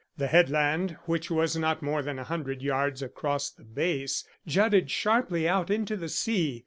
The headland, which was not more than a hundred yards across at the base, jutted sharply out into the sea.